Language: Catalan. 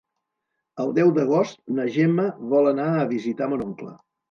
El deu d'agost na Gemma vol anar a visitar mon oncle.